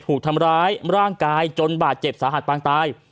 ถูกทำร้ายร่างกายจนบาดเจ็บสาหัสปางตาย